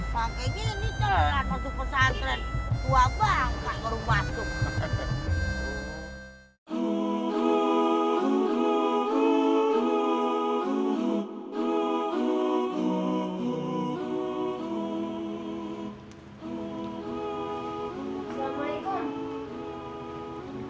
makanya ini telah masuk pesantren tua bang tak perlu masuk